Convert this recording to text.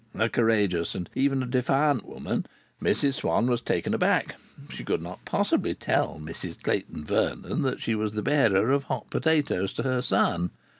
A courageous and even a defiant woman, Mrs Swann was taken aback. She could not possibly tell Mrs Clayton Vernon that she was the bearer of hot potatoes to her son.